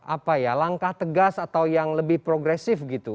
apa ya langkah tegas atau yang lebih progresif gitu